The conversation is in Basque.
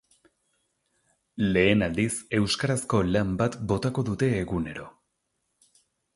Lehen aldiz, euskarazko lan bat botako dute egunero.